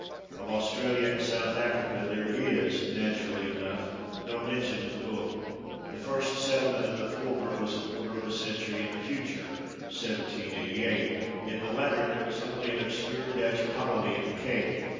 Of Australia and South Africa there is, naturally enough, no mention in the book. The first settlement in the former was a quarter of a century in the future (1788) ; in the latter, there was only an obscure Dutch colony at the Cape.